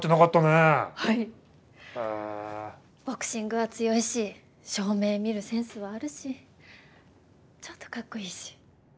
ボクシングは強いし照明見るセンスはあるしちょっとかっこいいし。